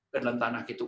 ke dalam tanah gitu